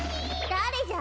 だれじゃ？